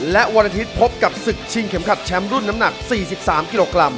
และวันอาทิตย์พบกับศึกชิงเข็มขัดแชมป์รุ่นน้ำหนัก๔๓กิโลกรัม